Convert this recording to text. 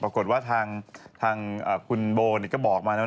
ปรากฏว่าทางคุณโบเนี่ยก็บอกมานะครับ